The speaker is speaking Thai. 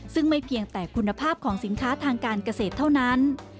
ซึ่งไม่เพียงแต่คุณภาพของสินค้าทางการเกษตรเท่านั้น